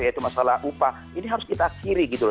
yaitu masalah upah ini harus kita akhiri gitu loh